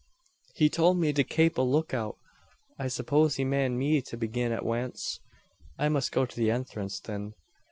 "He towlt me to kape a luk out. I suppose he maned me to begin at wance. I must go to the inthrance thin."